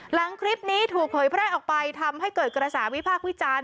หลังคลิปนี้ถูกเผยแพร่ออกไปทำให้เกิดกระแสวิพากษ์วิจารณ์